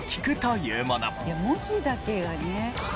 いや文字だけがね。